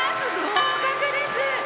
合格です！